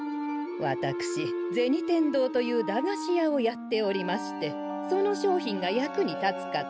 私銭天堂という駄菓子屋をやっておりましてその商品が役に立つかと。